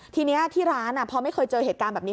ทีนี้ที่ร้านพอไม่เคยเจอเหตุการณ์แบบนี้